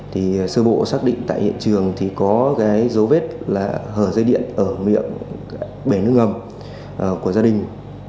thì sơ bộ xác định tại hiện trường thì có cái dấu vết là hở dây điện ở miệng bể nước ngầm của gia đình